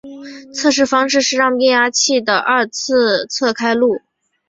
测试方式是让变压器的二次侧开路。